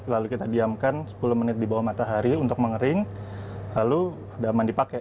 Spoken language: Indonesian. lalu kita diamkan sepuluh menit di bawah matahari untuk mengering lalu udah aman dipakai